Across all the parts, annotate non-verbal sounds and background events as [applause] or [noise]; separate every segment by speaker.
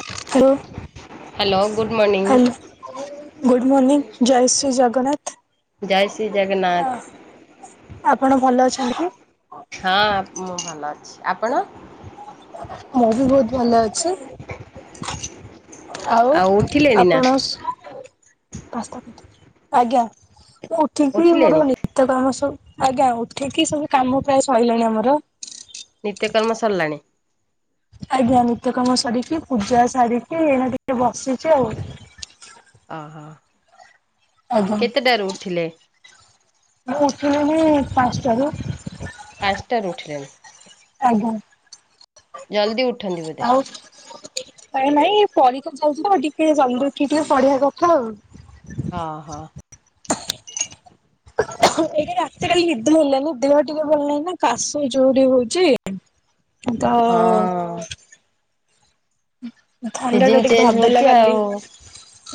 Speaker 1: ହ [inaudible]
Speaker 2: hello good morning.
Speaker 1: Good morning ଜୟ ଶ୍ରୀ ଜଗନ୍ନାଥ।
Speaker 2: ଜୟ ଶ୍ରୀ ଜଗନ୍ନାଥ
Speaker 1: ଆପଣ ଭଲ ଅଛନ୍ତି?
Speaker 2: ହଁ ମୁଁ ଭଲ ଅଛି ଆପଣ?
Speaker 1: ମୁଁ ବି ବହୁତ ଭଲ ଅଛି। ଆଉ
Speaker 2: ଉଠିଲେଣି ନା
Speaker 1: ଆପଣ? ସ୍ ଆଜ୍ଞା ମୁଁ ଉଠିକ ବି
Speaker 2: ଉଠିଲେଣି
Speaker 1: ମୋର ନି ତ ଆମ ସବୁ ଆଜ୍ଞା ଉଠିକି ସବୁ କାମ ପ୍ରାୟ ସଇଲାଣି ଆମର।
Speaker 2: ନିତ୍ୟକର୍ମ ସରିଲାଣି।
Speaker 1: ଆଜ୍ଞା ନିତ୍ୟକାମ ସରିକି ପୂଜା ସାରିକି ଏଇନା ଟିକେ ବସିଛି ଆଉ।
Speaker 2: ଅ ହ।
Speaker 1: ଆଜ୍ଞା ମୁ ଉଠିଲଣି ପାଞ୍ଚଟାରୁ।
Speaker 2: ପାଞ୍ଚଟାରୁ ଉଠିଲେଣି।
Speaker 1: ଆଜ୍ଞା।
Speaker 2: ଜଲଦି ଉଠନ୍ତି ବୋଧେ।
Speaker 1: ଆଉ କାଇଁ ନାଇଁ ପରୀକ୍ଷା ଚାଲିଚିତ ଟିକେ ଜଲଦି ଉଠିକି ପଢିବା କଥା ଆଉ।
Speaker 2: ଅ ହ।
Speaker 1: ଏଇଟା ରାତି କାଲି ନିଦ ହେଲାନି ଦେହ ଟିକେ ଭଲ ନାହିଁ ନା କାଶ ଜୋରରେ ହଉଚି। ଆ ତ
Speaker 2: ହଁ
Speaker 1: ଥଣ୍ଡା
Speaker 2: ସିଜନ
Speaker 1: ଟା ଟିକେ
Speaker 2: ଚେଞ୍ଜ
Speaker 1: ଧରିଦେଲା
Speaker 2: ହଉଛି
Speaker 1: କାଲି।
Speaker 2: ଆଉ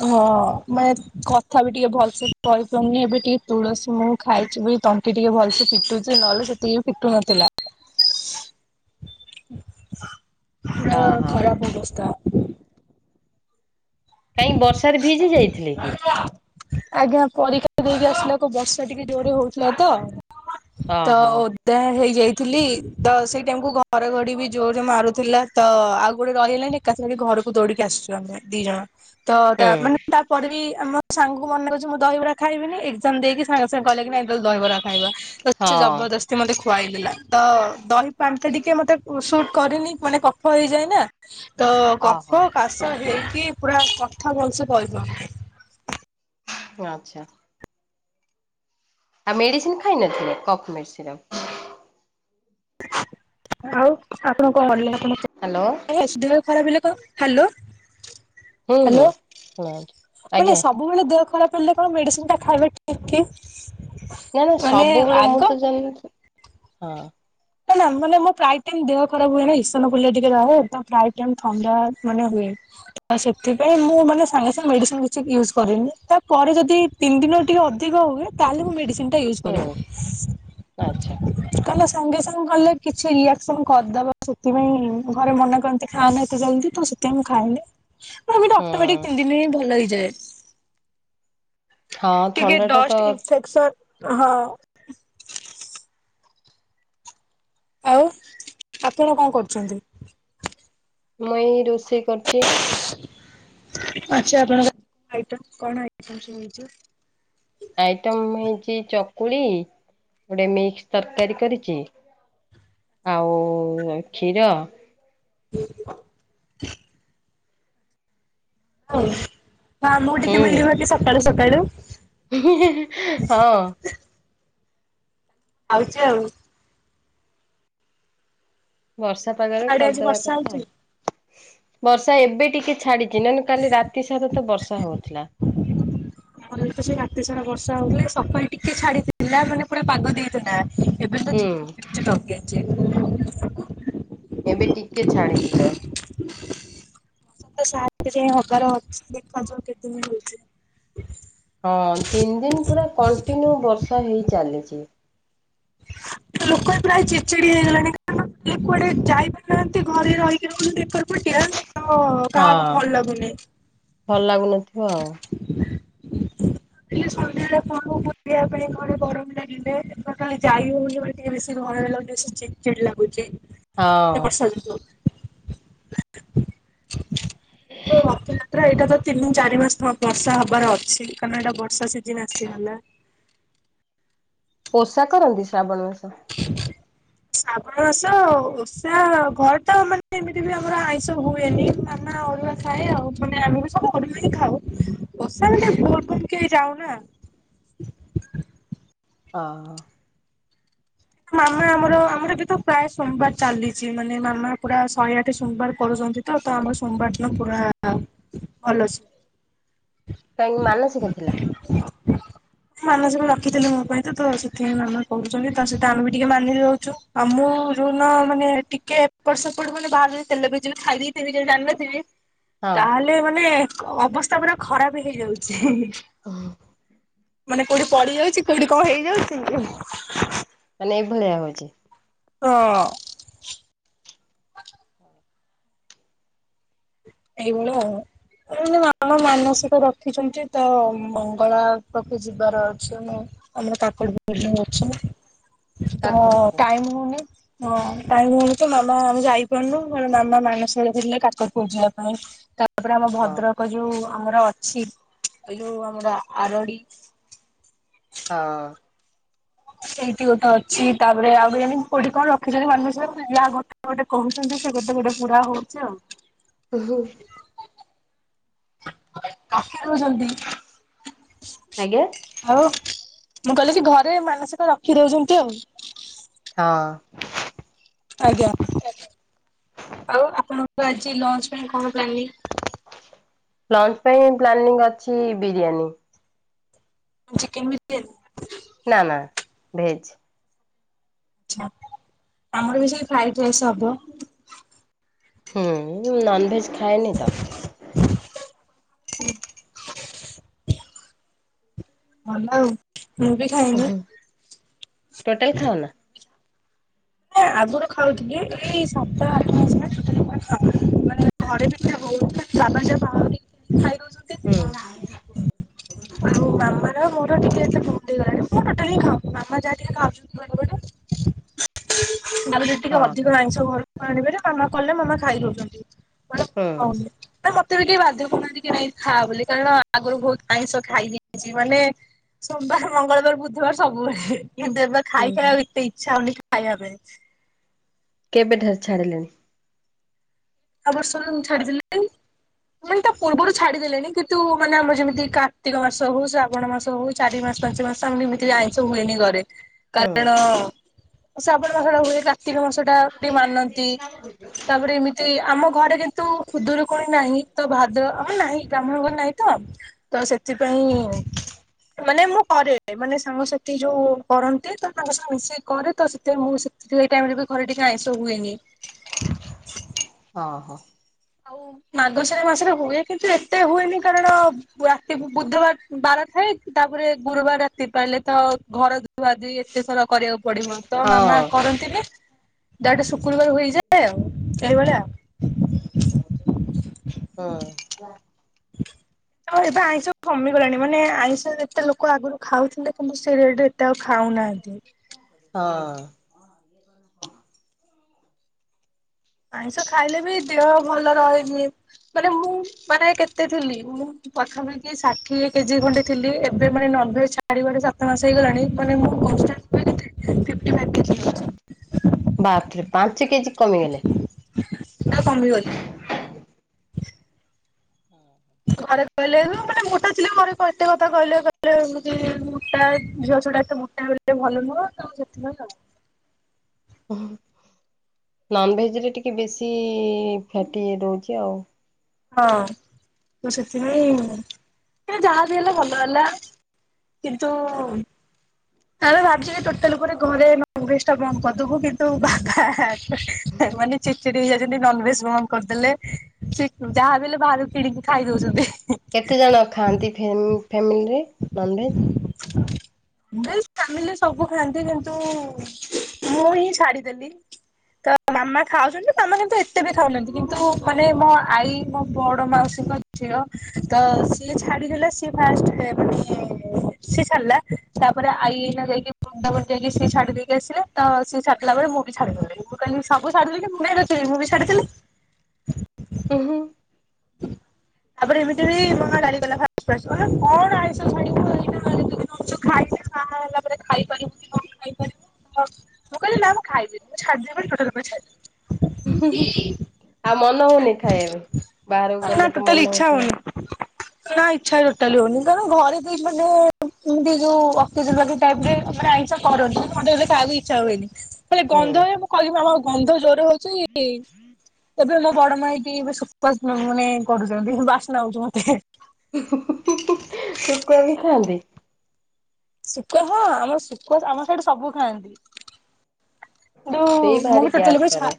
Speaker 1: ହଁ ମାନେ କଥା ବି ଟିକେ ଭଲସେ କହିପାରୁନି ଏବେ ଟିକେ ତୁଳସୀ ମହୁ ଖାଇଛି ବୋଲି ତଣ୍ଟି ଟିକେ ଭଲସେ ଫିଟୁଛି ନହେଲେ ସେତିକି ବି ଫିଟୁ ନଥିଲା। ପୁରା
Speaker 2: ଓହୋ।
Speaker 1: ଖରାପ ଅବସ୍ଥା।
Speaker 2: କାଇଁ ବର୍ଷାରେ ଭିଜି ଯାଇ
Speaker 1: [inaudible] ଆଜ୍ଞା ପରୀକ୍ଷା ଦେଇକି ଆସିଲା କୁ ବର୍ଷା ଟିକେ ଜୋରରେ ହଉଥିଲା ତ। ତ
Speaker 2: ଓହୋ
Speaker 1: ଓଦା ହେଇଯାଇଥିଲି ତ ସେଇ ଟାଇମକୁୁ ଘଡ଼ଘଡ଼ି ବି ଜୋର୍ ରେ ମାରୁଥିଲା ତ ଆଉ କୋଉଠି ରହିହେଲାନି। ଏକାଥରେ ଘରକୁ ଦୌଡିକି ଆସିଛୁ ଆମେ ଦି ଜଣ ତ ତା
Speaker 2: ହୁଁ
Speaker 1: ମାନେ ପରେବି ଆମ ସାଙ୍ଗଙ୍କୁ ମନେ କରୁଛି ମୁଁ ଦହିବରାା ଖାଇବିନି ଏଜାମ ଦେଇକି ସାଙ୍ଗେ ସାଙ୍ଗେ କହେ କି ନାଇ ଦହିବରା ଖାଇବା। ସେ
Speaker 2: ହଁ
Speaker 1: ଜବରଦସ୍ତି ମତେ ଖୁଆଇ ଦେଲା ତ ଦହି ପାଣିଟା ଟିକେ ମତେ ସୁଟ କରିନି ମାନେ କଫ ହେଇଯାଏ ନା ତ
Speaker 2: ଓହୋ।
Speaker 1: କଫ କାଶ ହେଇକି ପୁରା କଥା ଭଲସେ କହିପାରୁନି।
Speaker 2: ଆଚ୍ଛା। ଆଉ ମେଡିସିନ ଖାଇନ କି କଫ୍ ମେଡିଶିରଫ।
Speaker 1: ଆଉ ଆପଣ [unintelligible]
Speaker 2: ହ୍ୟାଲୋ।
Speaker 1: ବସ୍ ଦେହ ଖରାପ୍ ହେଲେ କ ହ୍ୟାଲୋ
Speaker 2: ହୁଁ ହୁଁ
Speaker 1: ହ୍ୟାଲୋ
Speaker 2: ଶୁଣାଉଛି
Speaker 1: ମାନେ
Speaker 2: ଆଜ୍ଞା।
Speaker 1: ସ ସବୁବେଳେ ଦେହ ଖରାପ ହେଲେ କଣ ମେଡିସିନ ଟା ଖାଇବେ ଠିକ କି?
Speaker 2: ନାଇ ନାଇ
Speaker 1: ମାନେ
Speaker 2: ସବୁବେଳେ ମୁଁ
Speaker 1: ଆଗ
Speaker 2: ତ ଜାଣି ନଥିଲି ହଁ।
Speaker 1: ନା ନା ମାନେ ମୋ ପ୍ରାୟ ଟାଇମ୍ ଦେହ ଖରାପ ହୁଏ ନା ଏସନ ଫୁଲିଆ ଟିକେ ବାହାର ପ୍ରାୟ ଟାଇମ ଥଣ୍ଡା ମାନେ ହୁଏ। ତ ସେଥିପାଇଁ ମୁଁ ମାନେ ସାଙ୍ଗେ ସାଙ୍ଗେ ମେଡିସିନ କିଛି ୟୁଜ କରିନି ତାପରେ ଯଦି ତିନି ଦିନ ଟିକେ ଅଧିକ ହୁଏ ତାହେଲେ ମୁ ମେଡିସିନ ଟା ୟୁଜ କରେ
Speaker 2: ହୁଁ ଆଚ୍ଛା
Speaker 1: କହିକିନା ସଙ୍ଗେ ସଙ୍ଗ କଲେ କିଛି ରିଆକ୍ସନ କରିଦବା ସେଥିପାଇଁ ଘରେ ମନା କରନ୍ତି ଖାଅନା ଏତେ ଜଲଦି ତ ସେଥିପାଇଁ ମୁଁ ଖାଏନି ମୋର୍ ବିତ
Speaker 2: ହୁଁ
Speaker 1: ଅଟୋମେଟିକ ତିନି ଦିନ ଭଲ ହେଇଯାଏ।
Speaker 2: ହଁ
Speaker 1: ଟିକେ
Speaker 2: ଥଣ୍ଡା ଟା ତ
Speaker 1: ଡଷ୍ଟ ଇନଫେକ୍ସନ୍ ହଁ। ଆଉ ଆପଣ କଣ କରୁଛନ୍ତି?
Speaker 2: ମୁ ଏଇ ରୋଷେଇ କରୁଛି।
Speaker 1: ଆଛା ଆପଣଙ୍କ ଆଇଡ ଟା କଣ ଆଇଡ ଟା କୁହନ୍ତୁ?
Speaker 2: ଆଇଟମ୍ ହେଇଛି ଚକୁଳି ଗୋଟେ ମିକ୍ସ ତରକାରୀ କରିଛି। ଆଉ କ୍ଷୀର।
Speaker 1: [inaudible] ହଉ ହଁ ମୁଁ ଟିକେ ମିଳିବ କି ସକାଳୁ ସକାଳୁ?
Speaker 2: ହଁ।
Speaker 1: ଆଉଛି ଆଉ।
Speaker 2: ବର୍ଷା ପାଗରେ
Speaker 1: ଆଡେ ଆଜି
Speaker 2: କରିଦବା
Speaker 1: ବର୍ଷା
Speaker 2: କଥା
Speaker 1: ହଉଛି?
Speaker 2: ବର୍ଷା ଏବେ ଟିକେ ଛାଡ଼ି ଛି ନହେଲେ କାଲି ରାତି ସାରା ତ ବର୍ଷା ହଉଥିଲା।
Speaker 1: ଆମର ତ ସେ ରାତି ସାରା ବର୍ଷା ହଉଥିଲା ସକାଳୁ ଟିକେ ଛାଡ଼ିଥିଲା ମାନେ ପୁରା ପାଗ ଦେଇଥିଲା। ଏବେ ତ
Speaker 2: ହୁଁ
Speaker 1: ଝିପ୍ ଝିପ୍ ଲଗେଇଛି।
Speaker 2: ଏବେ ଟିକେ ଛାଡିଛି ଜଷ୍ଟ।
Speaker 1: ସେ ତ ସାତ୍ ରେ ହବାର ଅଛି ଦେଖାଯାଉ କେତେ ଦିନ ହଉଛି?
Speaker 2: ହଁ ତିନି ଦିନ ପୁରା କଣ୍ଟିନ୍ୟୁ ବର୍ଷା ହେଇ ଚାଲିଛି।
Speaker 1: ଲୋକ ବି ପ୍ରାୟ ଚିଡ଼ିଚିଡ଼ି ହେଇଗଲେଣି କାରଣ କିଏ କୁଆଡେ଼ ଯାଇପାରୁନାହାନ୍ତି ଘରେ ରହିକି ରହୁଛନ୍ତି ଏକର ପଟିଆ। ତ
Speaker 2: ହଁ
Speaker 1: କାହାକୁ ଭଲ ଲାଗୁନି।
Speaker 2: ଭଲ ଲାଗୁନଥିବ ଆଉ।
Speaker 1: ହେଲେ ସନ୍ଧ୍ୟାବେଳେ କଣ ବୁଲିବା ପାଇଁ ଘରେ ଗରମ ଲାଗିଲେ ଯାଇ ହଉନି ବୋଲି ଟିକେ ବେଶୀ ଘରେ ରହିକି ବେଶୀ ଚିଡ଼ ଚିଡ଼ ଲାଗୁଛି
Speaker 2: ହଁ
Speaker 1: ଏ ବର୍ଷ ଯୋଗୁ। [unintelligible] ପ୍ରାୟ ଏଇଟା ତ ତିନି ଚାରି ମାସ ବର୍ଷା ହବାର ଅଛି, କାରଣ ଏଇଟା ବର୍ଷା ସିଜିିନ ଆସିଗଲା।
Speaker 2: ବର୍ଷା ତ ରହୁଛି ଶ୍ରାବଣ ମାସ।
Speaker 1: ହ ଶାବଣ ମାସ ଓଷା ଘରେ ତ ମାନେ ଏମିତି ବି ଆମର ଆଇଁଷ ହୁଏନି। ମାମା ଅରୁଆ ଖାଏ ଆଉ ମାନେ ଆମେ ବି ସବୁ ଅରୁଆ ହି ଖାଉ। ଓଷା ମାନେ ବୋଲବମ୍ କେହି ଯାଉନା।
Speaker 2: ହ,
Speaker 1: ମାମା ଆମର ଆମର ଯେହେତୁ ପ୍ରାୟ ସୋମବାର ଚାଲିଛି ମାନେ ମାମା ପୁରା ଶହେ ଆଠ ସୋମବାର କରୁଛନ୍ତି। ତ ତ ଆମର ସୋମବାର ଦିନ ପୁରା-ଆ-ଆ ଭଲସେ
Speaker 2: କାହିଁକି ମାନସିକ ଥିଲା?
Speaker 1: ମାନସିକ ସବୁ ରଖିଥିଲେ ମୋ ପାଇଁ ତ ତ ସେଥିପାଇଁ ମାମା କରୁଛନ୍ତି ତା ସହିତ ତା ଆମେ ବି ଟିକେ ମାନି ଦଉୁଚୁ। ଆଉ ମୁଁ ଯଉ ଦିନ ମାନେ ଟିକେ ଏପର୍ ସେପଟେ ମାନେ ବାହରେ ତେଲ ବି ଯିବି ଖାଇଦି [unintelligible] ଜାଣି ନଥିବି
Speaker 2: ହଁ।
Speaker 1: ତାହେଲେ ମାନେ ଅବସ୍ଥା ପୁରା ଖରାପ ହେଇଯାଉଛି।
Speaker 2: ହୁଁ,
Speaker 1: ମାନେ କୋଉଠି ପଡିି ଯାଉଛି, କୋଉଠି କଣ ହେଇଯାଉଛି।
Speaker 2: ମାନେ ଏ ଭଳିଆ ହେଉଛି।
Speaker 1: ତ-ଅ-ଅ-ଅ ଏଇଭଳିଆ ଆଉ। ଏମିତି ମାମା ମାନସିକ ରଖିଛନ୍ତି ତ ମଙ୍ଗଳା ପାଖକୁ ଯିବାର ଅଛି ମୁଁ। ଆମର କାକୁଡି ଫାକୁଡି ସବୁ ଅଛି ତ
Speaker 2: କାକଟପୁର
Speaker 1: ଟାଇମ ହଉନି। ହଁ ଟାଇମ ହଉନି ତ ମାମା ଆମେ ଯାଇପାରୁନୁ କାରଣ ମାମା ମାନସିକ ରଖିଥିଲେ କା ତାକୁ ଉଜେଇବା ପାଇଁ ତାପରେ ଆମ
Speaker 2: ହଁ
Speaker 1: ଭଦ୍ରକ କ ଯୋଉ ଆମର ଅଛି ଏଇ ଯୋଉ ଆମର ଆରଡି।
Speaker 2: ହଁ,
Speaker 1: ସେଇଠି ଗୋଟେ ଅଛି ତାପରେ ଆଉ [unintelligible] କୋଉଠି କଣ ରଖିଛନ୍ତି ମାନସିକ ଯାହା ଗୋ ଗୋଟେ କହୁଛନ୍ତି ସେ ଗୋଟେ ଗୋଟେ ପୁରା ହଉଛି ଆଉ।
Speaker 2: ଉ ହୁଁ,
Speaker 1: [unintelligible] ଛନ୍ତି।
Speaker 2: ଆଜ୍ଞା,
Speaker 1: ଆଉ ମୁଁ କହିଲି କି ଘରେ ମାନସିକ ରଖିଦଉଛନ୍ତି ଆଉ।
Speaker 2: ହଁ,
Speaker 1: ଆଜ୍ଞା, ଆଉ ଆପଣଙ୍କୁ ଆଜି ଲଞ୍ଚ ପାଇଁ କଣ ପ୍ଲାନିଂ?
Speaker 2: ଲଞ୍ଚ ପାଇଁ ପ୍ଲାନିଂ ଅଛି ବିରିୟାନୀ।
Speaker 1: ଚିକେନ ବିରିୟାନୀ?
Speaker 2: ନା, ନା ଭେଜ।
Speaker 1: ଆଛା, ଆମର ବି ସେଇ ଫ୍ରାଇଡାଇସ୍ ହବ।
Speaker 2: ହୁଁ, ନନଭେଜ ଖାଏନି ତ।
Speaker 1: ହ ଭଲ ଆଉ, ମୁଁ ବି ଖାଇନି।
Speaker 2: ହୁଁ, ଟୋଟାଲ୍ ଖାଅନା?
Speaker 1: ନାଁ ଆଗୁରୁ ଖାଉଥିଲି। ଏଇ ସାତ ଆଠ ମାସ ହେଲା ଟୋଟାଲି ଖାଉନି ମାନେ ଘରେ ଭିତେ ହଉଥିଲା [inaudible] ଖାଇ ଦୋଉଚନ୍ତି।
Speaker 2: ହୁଁ।
Speaker 1: ଆଉ-ଉ-ଉ ମାମା ର ମୋର ଟିକେ ଏତେ ବନ୍ଦ ହେଇଗଲାଣି ମୁଁ ଟୋଟାଲି ହିଁ ଖାଉନି ମାମା ଯାହା ଟିକେ ଖାଉଚନ୍ତି ଘର ପଟେ [inaudible] ଟିକେ
Speaker 2: ହଁ ହଁ।
Speaker 1: ଅଧିକ ଆଇଁଷ ଘରକୁ ଆଣିବାରେ ମାମା କଲେ ମାମା ଖାଇ ଦୋଉଚନ୍ତି ମାନେ
Speaker 2: ହୁଁ।
Speaker 1: ଖାଉନି ମତେ ବି କେହି ବାଧ୍ୟ କରୁନାହାନ୍ତି କି ନାଇଁ ଖା ବୋଲି କାରଣ ଆଗରୁ ବହୁତ ଆଇ ଖାଇଦେଇଛି ମାନେ ସୋମବାର, ମଙ୍ଗଳବାର, ବୁଧବାର ସବୁବେଳେ କିନ୍ତୁ ଏବେ ଖାଇ
Speaker 2: ହୁଁ
Speaker 1: ଖାଇବାକୁ ଏତେ ଇଚ୍ଛା ହଉନି ଖାଇବା ପାଇଁ।
Speaker 2: କେବେଠାରୁ ଛାଡିଲେଣି?
Speaker 1: ଆପର୍ ଶନ ଛାଡ଼ିଦେଲେ। ମାନେ ତା ପୂର୍ବରୁ ଛାଡିଦେଲେଣି କିନ୍ତୁ ମାନେ ଆମର ଯେମିତି କାର୍ତ୍ତିକ ମାସ ହଉ ଶ୍ରାବଣ ମାସ ହଉ ଚାରି ମାସ ପାଞ୍ଚ ମାସ ତାେ ମତ୍ରୀ ଆଇଷ ହୁଏନି ଘରେ
Speaker 2: ହୁଁ
Speaker 1: କାରଣ ଶ୍ରାବଣ ମାସ ଟା ହୁଏ କାର୍ତ୍ତିକ ମାସ ଟା ଟିକେ ମାନନ୍ତି ତାପରେ ଏମିତି ଆମ ଘରେ କିନ୍ତୁ ଖୁଦୁରୁକୁଣି ନାହିଁ ତ ଭାଦ୍ର ନାହିଁ ବ୍ରାହ୍ମଣଙ୍କ ନାହିଁ ତ ତ ସେଥିପାଇଁ ମାନେ ମୁଁ କରେ ମାନେ ସାଙ୍ଗସାଥି ଯୋଉ କରନ୍ତି ତ ତାଙ୍କ ସହ ମିଶିକି କରେ ତ ସେଥିପାଇଁ ମୁଁ ସେଇ ଟାଇମରେ ବି ଘରେ ଟିକେ ଆଇଁଷ ହୁଏନି।
Speaker 2: ଓ ହୋ।
Speaker 1: ଆଉ ମାର୍ଗଶୀର ମାସରେ ହୁଏ କିନ୍ତୁ ଏତେ ହୁଏନି କାରଣ ରାତି ବୁଧବାର ବାର ଥାଏ ତାପରେ ଗୁରୁବାର ରାତି ପାଇଲେ ତ-ଅ ଘର ଧୁଆ ଦୁଇ ଏତେ ସରା କରିଆକୁ ପଡିମ। ତ ମାମା
Speaker 2: ହଁ
Speaker 1: କରନ୍ତିନି ଦାଟେ ଶୁକ୍ରବାର ହୋଇଯାଏ ଆଉ ଏଇଭଳିଆ।
Speaker 2: ହୁଁ।
Speaker 1: [inaudible] ଅଁ ଏବେ ଆଇଁଷ କମିଗଲାଣି ମାନେ-ଏ ଆଇଁଷ ଯେତେ ଲୋକ ଆଗୁରୁ ଖାଉଥିଲେ କିନ୍ତୁ ସେ ରେଟ ତେ ଆଉ ଖାଉନାହାନ୍ତି।
Speaker 2: ହଁ।
Speaker 1: ଆଇଁଷ ଖାଇଲେ ବି-ଇ ଦେହ ଭଲ ରହେନି, ମାନେ ମୁଁ-ଉ ମାନେ କେତେ ଥିଲି ମୁଁ ପ୍ରଥମେ କି ଷାଠିଏ କେଜି ଖଣ୍ଡେଥିଲି ଏବେ ମାନେ ନଭେ ଛାଡିବାରେ ସାତ ମାସେ ହେଇଗଲାଣି ମାନେ ମୁଁ କନଷ୍ଟାଣ୍ଡ [inaudible] ଫିପଟି ମାର୍କ।
Speaker 2: ବାପ୍ରେ ପାଞ୍ଚ କେଜି କମିଗଲେ।
Speaker 1: ନା କମି ଗଲି। ଘରେ କହିଲେ ଉଁ ମାନେ ମୋଟା ଥିଲେ ଘରେ କ ଏତେ କଥା କହିଲେ କଇଲେ-ଏ ତି-ଇ ମୁଟା ଝିଅ ଛୁଟା ଏତେ ମୋ ଟା ହେଲେ ଭଲ ନୁହଁ ତ ସେଥିପାଇଁ ଆଉ।
Speaker 2: ଉଁ ହୁଁ, ନନଭେଜ ରେ ଟିକେ ବେଶୀ-ଇ ଫ୍ୟାଟି ରୋହୁଚି ଆଉ।
Speaker 1: ହଁ, ତ ସେଥିପାଇଁ-ଇଁ ହେଲେ ଯାହା ବି ହେଲେ ଭଲ ହେଲା। କିନ୍ତୁ-ଉ ଆମେ ଭାବୁକି ଟୋଟାଲ ଉପରେ ଘରେ-ଏ ନଁଭେଜଟା ବନ୍ଦ୍ କରିଦବୁ କିନ୍ତୁ ବାଖା-ହା-ହିଁ ମାନେ ଚିଡି ଚିଡି ହେଇଯାଇଛନ୍ତି ନନଭେଜ ବନ୍ଧ କରିଦେଲେ ଚି ହୁଁ ଯାହା ବି ହେଲେ ବାହାରୁ କିଣିକି ଖାଇ ଦୋଉଚନ୍ତି-ହି।
Speaker 2: କେତେ ଜଣ ଖାଆନ୍ତି ଫେମ୍ ଫେମିଲିରେ ନନଭେଜ୍?
Speaker 1: [inaudible] ଦିଲ୍ ଫ୍ୟାମିଲ୍ ରେ ସବୁ ଖାଆନ୍ତି କିନ୍ତୁ-ଉ ମୁଁ ହିଁ ଛାଡିଦେଲି। ତା ମାମା ଖାଉଚନ୍ତି ତା ମାନେ ଏତେ ବି ଖାଉନାହାନ୍ତି କିନ୍ତୁ-ଉ ମାନେ ମୋ ଆଈ ମୋ ବଡ ମାଉସୀଙ୍କ ଠିଅ ତ-ଅ ସିଏ ଛାଡି ଦେଲେ ସିଏ ଫାଷ୍ଟ ହେ ମାନେ-ଏଁ ସିଏ ଛାଡିଲା ତାପରେ ଆଇ ଏଇନା ଯାଇକି ବୃନ୍ଦାବନ ଯାଇକି ସିଏ ଛାଡି ଦେଇକି ଆସିଲେ। ତ ସିଏ ଛାଡି ଦେଲାପରେ ମୁଁ ବି ଛାଡିଦେଲି ମୁଁ କହିଲି ସବୁ ଛାଡିଦେଲେଣି ମୁଁ କାଇଁ ରଖିବି ମୁଁ ବି ଛାଡ଼ିଦେଲି।
Speaker 2: ଉଁ ହୁଁ।
Speaker 1: [inaudible] ତାପରେ ଏମିତି ବି ମାମା ଗାଳି କଲା ଫାଷ୍ଟ ଫାଷ୍ଟ କଇଲା କଣ ଆଇଁଷ ଛାଡ଼ିବୁ ଏଇନା [unintelligible] ପରେ ଖାଇପାରିବୁ କି କଣ ଖାଇପାରିବୁ କି କଣ? ମୁଁ କଇଲି ନା ମୁଁ ଖାଇବିନି ମୁଁ ଛାଡ଼ିଦେବି ମାନେ ଟୋଟାଲ୍ ଉପରେ ଛାଡିବି।
Speaker 2: ଆଉ ମନ ହଉନି ଖାଇବା ପାଇଁ। ବାହାରକୁ
Speaker 1: ଛାଡିଦେଲି ନା
Speaker 2: ଗଲେ ତ
Speaker 1: ଟୋଟାଲ
Speaker 2: ମନ ହଉଥିବ?
Speaker 1: [inaudible] ନା ଇଚ୍ଛା ଟୋଟାଲି ହଉନି କାରଣ ଘରେ ବି ମାନେ ଏମିତି ଯୋଉ ଅକେଜନାଲି ଟାଇପରେ ମାନେ ଛା କରନି ମତେଏବେ ଖାଇବାକୁ ଇଚ୍ଛା ହୁଏନି। ହେଲେ
Speaker 2: ହୁଁ।
Speaker 1: ଗନ୍ଧ ହେ ମୁଁ କଇବି ମାମା ଗନ୍ଧ ଜୋରେ ହୋଉଚି-ଇ ଏବେ ମୋ ବଡ ମାାଇକି ଇବେ ସୁକ୍ୱା ସ୍ମେଲ ମାନେ-ଏ କରୁଚନ୍ତି ବାସ୍ନାହଉଚି ମତେ-ହେ।
Speaker 2: ହୁଁ ହୁ ହୁ ହୁ ହୁଁ ହିଁ-ଇ ଶୁକୁଆକୁ ଖାଆନ୍ତି।
Speaker 1: ଶୁକ୍ୱା ହଁ-ଅ ଆମର୍ ଶୁକ୍ୱା ଆମ ସ୍ୟାଡେ ସବୁ ଖାଆନ୍ତି। ଦୋଉ-ଉ
Speaker 2: ସେଇ
Speaker 1: ମୁଁ
Speaker 2: ଭାରି
Speaker 1: ବି ଟୋଟାଲ
Speaker 2: ଗ୍ୟାସ୍
Speaker 1: ଉପରେ ଛା
Speaker 2: କରେ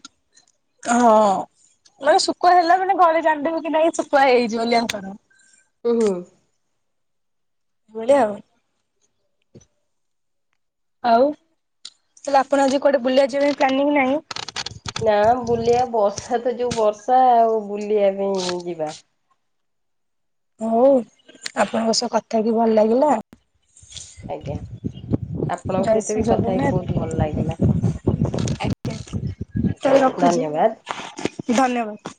Speaker 1: ହଁ-ଅ ମାନେ ଶୁକୁଆ ହେଲା ମାନେ ଘରେ ଜନିଦେବେକି କି ନାଇଁ ଶୁଖୁଆ ହେଇଚି ବୋଲି ଆଙ୍କର।
Speaker 2: ଉହୁଁ।
Speaker 1: ବଲିଆ ଆଉ। ଆଉ ତାଲେ ଆପଣ ଆଜି କୋଆଡେ ବୁଲିଆ ଯିବେ ପ୍ଲାନିଂ ନାଇଁ?
Speaker 2: ନାଁ-ଆ ବୁଲିଆ ବର୍ଷା ତ ଯୋଉ ବର୍ଷା-ଆ ଆଉ ବୁଲିଆ ପାଇଁ-ଇଁ ଯିବା।
Speaker 1: ହୋଉ ଆପଣଙ୍କ ସହ କଥା ହେଇକି ଭଲ ଲାଗିଲା।
Speaker 2: ଆଜ୍ଞା ଆପଣଙ୍କ
Speaker 1: ଜୟ
Speaker 2: ସହିତ
Speaker 1: ଶ୍ରୀ
Speaker 2: ବି କଥା ହେଇକି
Speaker 1: ଜଗନ୍ନାଥ
Speaker 2: ବହୁତ ଭଲ ଲାଗିଲା।
Speaker 1: ତାହେଲେ
Speaker 2: ଆଜ୍ଞା
Speaker 1: ରଖୁଛି
Speaker 2: ଧନ୍ୟବାଦ୍
Speaker 1: ଧନ୍ୟବାଦ।